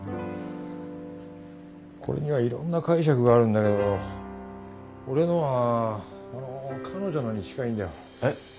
これにはいろんな解釈があるんだけど俺のはあの彼女のに近いんだよ。え？